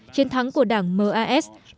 chiến thắng của đảng mas